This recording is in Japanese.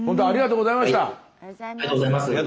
ありがとうございます。